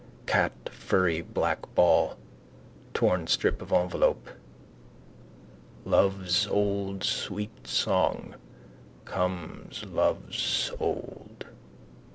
Cat furry black ball. Torn strip of envelope. Love's Old Sweet Song Comes lo ove's old...